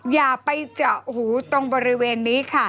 อย่าไปเจาะหูตรงบริเวณนี้ค่ะ